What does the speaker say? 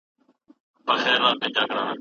دوی وویل چي ساینس پوهان یو ځای کار کوي.